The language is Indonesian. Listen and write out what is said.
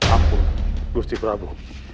aku gusti prabu